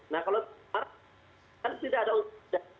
nah kalau sekarang kan tidak ada usaha